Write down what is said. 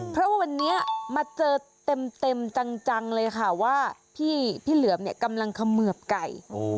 เพราะวันนี้มาเจอเต็มจังเลยค่ะว่าพี่เหลือมเนี่ยกำลังเขมือบไก่